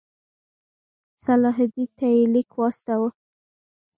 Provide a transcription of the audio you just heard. صلاح الدین ته یې لیک واستاوه.